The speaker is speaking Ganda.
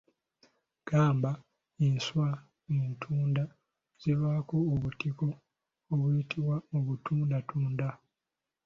Gamba, enswa entunda zivaako obutiko obuyitibwa obutundatunda.